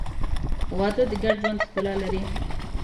• واده د ګډ ژوند ښکلا لري.